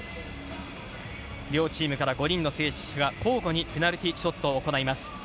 両チームから５人の選手が交互にペナルティ・ショットを行います。